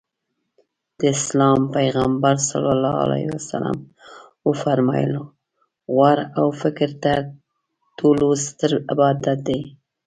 د اسلام پیغمبر ص وفرمایل غور او فکر تر ټولو ستر عبادت دی.